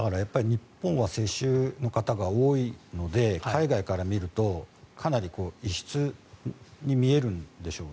日本は世襲の方が多いので海外から見るとかなり異質に見えるんでしょう。